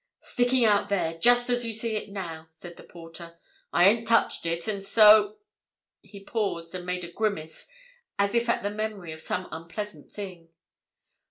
"Sticking out there, just as you see it now," said the porter. "I ain't touched it. And so—" He paused and made a grimace as if at the memory of some unpleasant thing.